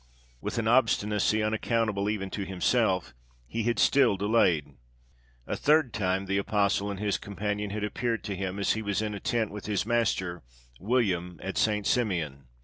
With an obstinacy unaccountable even to himself, he had still delayed. A third time the apostle and his companion had appeared to him, as he was in a tent with his master William at St. Simeon.